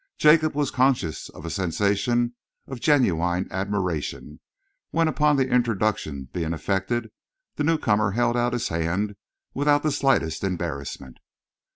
Jacob was conscious of a sensation of genuine admiration when, upon the introduction being effected, the newcomer held out his hand without the slightest embarrassment.